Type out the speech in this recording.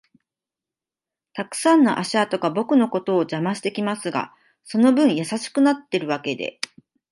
たくさんの足跡が僕のことを邪魔してきますが、その分優しくなってるわけで